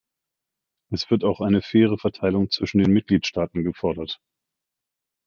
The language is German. Es wird auch eine faire Verteilung zwischen den Mitgliedstaaten gefordert.